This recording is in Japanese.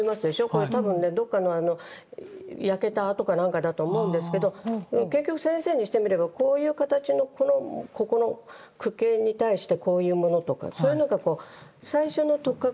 これ多分ねどっかのあの焼けた跡かなんかだと思うんですけど結局先生にしてみればこういう形のこのここの矩形に対してこういうものとかそういうのがこう最初のとっかかりになるんですね。